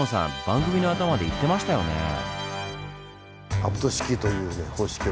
番組の頭で言ってましたよねぇ。